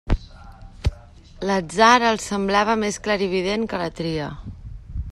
L'atzar els semblava més clarivident que la tria.